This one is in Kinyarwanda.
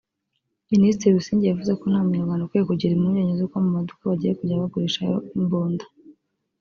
Minisitiri Busingye yavuze ko nta munyarwanda ukwiye kugira impungenge z’uko mu maduka bagiye kujya bagurishayo imbunda